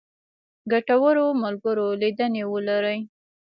ګټورو ملګرو لیدنې ولرئ.